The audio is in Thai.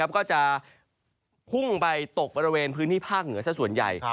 ก็จะพุ่งไปตกบริเวณพื้นที่ภาคเหนือสักส่วนใหญ่